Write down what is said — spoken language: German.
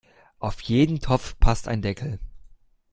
Auf jeden Topf passt ein Deckel.